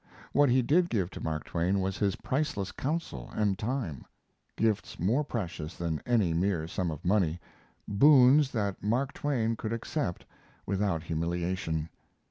What he did give to Mark Twain was his priceless counsel and time gifts more precious than any mere sum of money boons that Mark Twain could accept without humiliation.